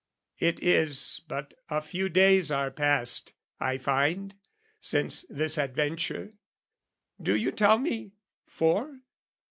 It is but a few days are passed, I find, Since this adventure. Do you tell me, four?